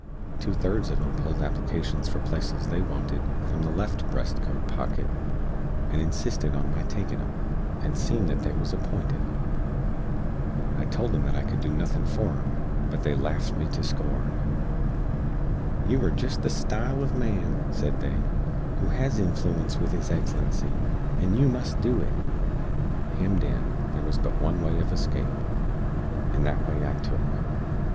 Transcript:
Two thirds uv em pulled applicashens for places they wanted from the left breast coat pocket, and insistid on my takin em, and seem that they was appinted. I told em that I cood do nuthin for em; but they laft me to skorn. "You are jist the style uv man," said they, "who hez inflooence with His Eggslency, and yoo must do it." Hemmed in, there wuz but one way uv escape, and that way I took.